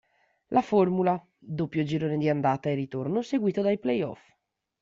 La formula: doppio girone di andata e ritorno seguito dai play-off.